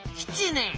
７年？